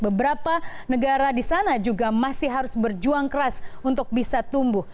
beberapa negara di sana juga masih harus berjuang keras untuk bisa tumbuh